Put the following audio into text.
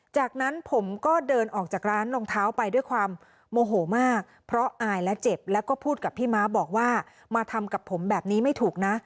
จากนั้นผมก็เดินออกจากร้านรองเท้าไปด้วยความโมโหมากเพราะอายและเจ็บแล้วก็พูดกับพี่ม้าบอกว่ามาทำกับผมแบบนี้ไม่ถูกนะ